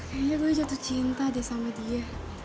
kayanya gue jatuh cinta deh sama dia